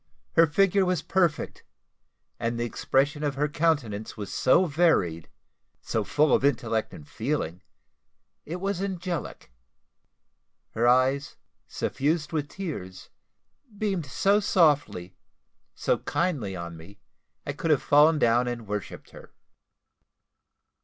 Her figure was perfect, and the expression of her countenance was so varied so full of intellect and feeling it was angelic. Her eyes, suffused with tears, beamed so softly, so kindly on me, I could have fallen down and worshipped her.